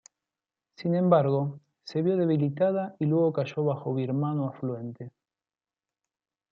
Sin embargo, se vio debilitada y luego cayó bajo birmano afluente.